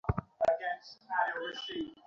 ও দেখাইতে চায়, যেন ও আমার চেয়ে মার কথা বেশি ভাবে।